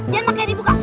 jangan pake dibuka